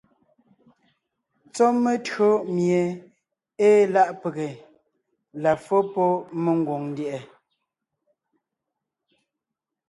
Tsɔ́ metÿǒ mie ée láʼ pege la fó pɔ́ mengwòŋ ndyɛ̀ʼɛ.